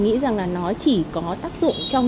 nghĩ rằng là nó chỉ có tác dụng trong